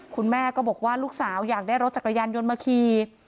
คุณแม่ก็บอกว่าลูกสาวอยากได้รถจักรยานยนต์มาขี่